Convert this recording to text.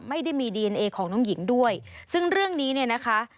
ไม่ได้มีดีเอนเอของน้องหญิงด้วยซึ่งเรื่องนี้เนี่ยนะคะ